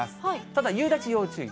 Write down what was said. ただ、夕立要注意。